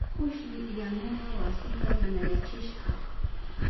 Kushni yanuna wasita yanayachishka.